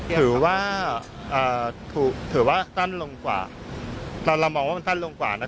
ถือว่าถือว่าสั้นลงกว่าเรามองว่ามันสั้นลงกว่านะ